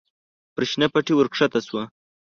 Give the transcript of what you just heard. پر شنه پټي ور کښته شوه.